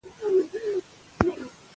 انګریزان غواړي چي پر کابل برید وکړي.